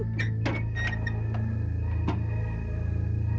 tidak ada apa apa